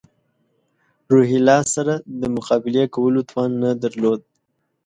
روهیله سره د مقابلې کولو توان نه درلود.